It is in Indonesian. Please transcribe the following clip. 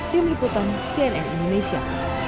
tim liputan cnn indonesia